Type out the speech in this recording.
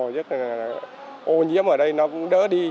rất là ô nhiễm ở đây nó cũng đỡ đi